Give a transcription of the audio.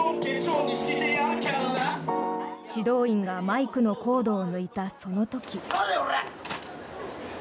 指導員がマイクのコードを抜いたその時。